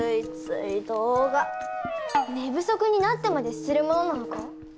寝不足になってまでするものなのか？